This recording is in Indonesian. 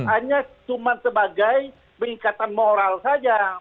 hanya sebagai pengikatan moral saja